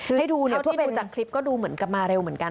เท่าที่ดูจากคลิปก็ดูเหมือนกับมาเร็วเหมือนกัน